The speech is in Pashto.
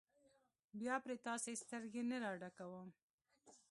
بیا پرې تاسې سترګې نه راډکوم.